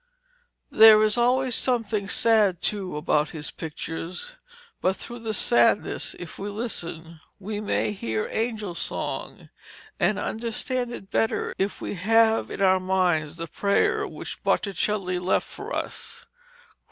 There is always something sad too about his pictures, but through the sadness, if we listen, we may hear the angel song, and understand it better if we have in our minds the prayer which Botticelli left for us.